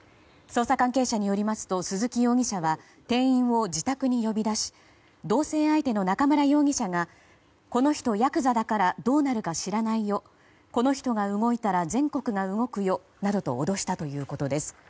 捜査関係者によりますと鈴木容疑者は店員を自宅に呼び出し同棲相手の中村容疑者がこの人、やくざだからどうなるか知らないよこの人が動いたら全国が動くよなどと脅したということです。